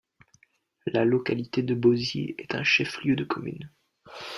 La localité de Bozi est un chef-lieu de commune.